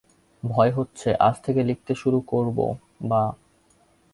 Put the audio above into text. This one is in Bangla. ভয় হচ্ছে, আজ থেকে লিখতে শুরু করব-বা।